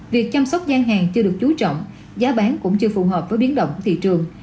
việc chăm sóc gian hàng chưa được chú trọng giá bán cũng chưa phù hợp với biến động của thị trường